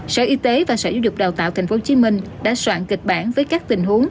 sở y tế và sở giáo dục đào tạo tp hcm đã soạn kịch bản với các tình huống